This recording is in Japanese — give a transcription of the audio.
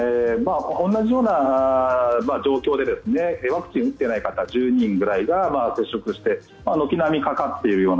同じような状況でワクチンを打っていない方１０人ぐらいが接触して軒並みかかっているような。